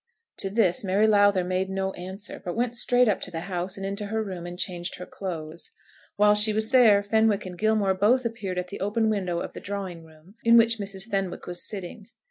To this Mary Lowther made no answer, but went straight up to the house, and into her room, and changed her clothes. While she was there Fenwick and Gilmore both appeared at the open window of the drawing room in which Mrs. Fenwick was sitting.